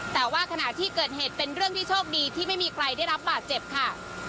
แต่ว่าขณะที่เกิดเหตุเป็นเรื่องที่โชคดีที่ไม่มีใครได้รับบาดเจ็บค่ะ